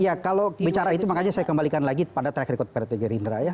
ya kalau bicara itu makanya saya kembalikan lagi pada track record prt gerindra ya